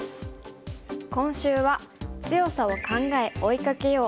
今週は「強さを考え追いかけよう」。